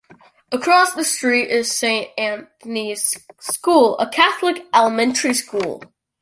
Across the street is Saint Anthony's School, a Catholic elementary school.